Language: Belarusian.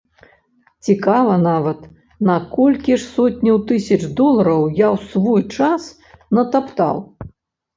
Цікава нават, на колькі ж сотняў тысяч долараў я ў свой час натаптаў?